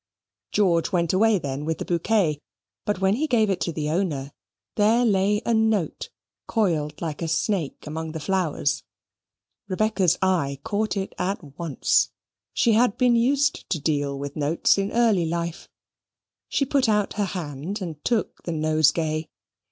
George went away then with the bouquet; but when he gave it to the owner, there lay a note, coiled like a snake among the flowers. Rebecca's eye caught it at once. She had been used to deal with notes in early life. She put out her hand and took the nosegay.